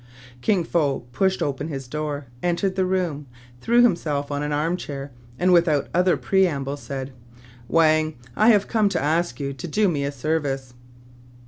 Kin Fo pushed open his door, entered the room, threw himself on an arm chair, and, without other preamble, said, — "Wang, I have come to ask you to do me a service.'